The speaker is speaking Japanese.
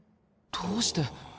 どうして？